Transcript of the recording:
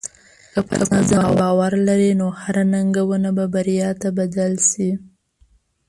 که په ځان باور لرې، نو هره ننګونه به بریا ته بدل شې.